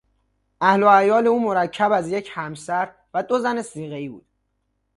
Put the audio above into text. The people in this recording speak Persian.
اهل و عیال او مرکب از یک همسر و دو زن صیغهای بود.